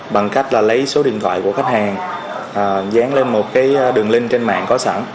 bằng cách là lấy số điện thoại của khách hàng dán lên một cái đường link trên mạng có sẵn